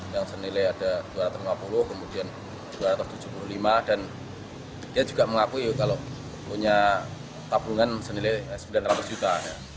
yang senilai ada dua ratus lima puluh kemudian dua ratus tujuh puluh lima dan dia juga mengakui kalau punya tabungan senilai sembilan ratus juta